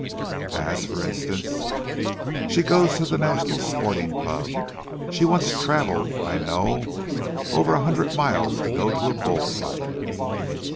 "As, for instance?" "She goes to the National Sporting Club. She once travelled, I know, over a hundred miles to go to a bull fight."